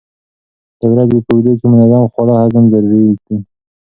د ورځې په اوږدو کې منظم خواړه هم ضروري دي.